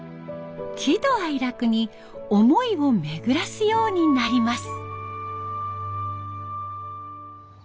喜怒哀楽に思いを巡らすようになります。